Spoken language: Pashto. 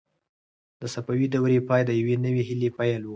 د صفوي دورې پای د یوې نوې هیلې پیل و.